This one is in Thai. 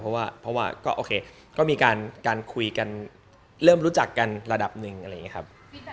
เพราะว่าก็โอเคก็มีการคุยกันเริ่มรู้จักกันระดับหนึ่งอะไรอย่างนี้ครับ